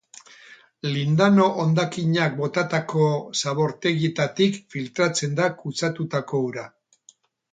Lindano hondakinak botatako zabortegietatik filtratzen da kutsatutako ura.